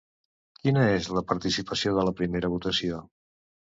Quina és la participació de la primera votació?